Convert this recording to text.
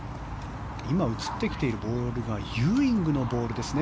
今、映っていたのがユーイングのボールですね。